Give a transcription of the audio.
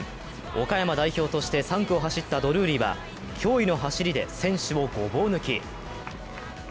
岡山代表として３区を走ったドルーリーは驚異の走りで選手をごぼう抜き。